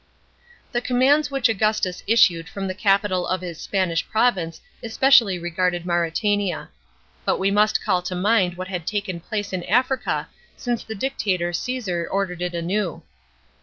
The commands which Augustus issued from the capital of his Spanish province especially regarded Mauretania. But we must call to mind what had taken place in Africa since the dictator Caesar ordered it anew.